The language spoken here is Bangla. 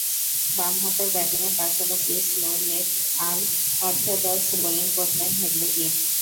বামহাতে ব্যাটিংয়ের পাশাপাশি স্লো লেফট-আর্ম অর্থোডক্স বোলিং করতেন হেডলি কিথ।